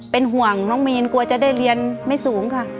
เป็นห่วงน้องมีนกลัวจะได้เรียนไม่สูงค่ะ